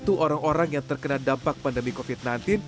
untuk orang orang yang terkena dampak pandemi covid sembilan belas